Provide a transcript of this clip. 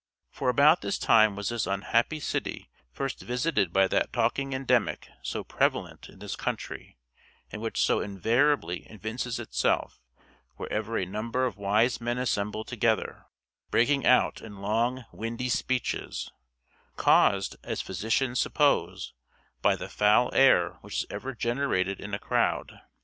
For about this time was this unhappy city first visited by that talking endemic so prevalent in this country, and which so invariably evinces itself wherever a number of wise men assemble together, breaking out in long windy speeches; caused, as physicians suppose, by the foul air which is ever generated in a crowd.